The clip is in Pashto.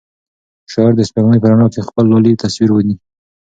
شاعر د سپوږمۍ په رڼا کې د خپل لالي تصویر ویني.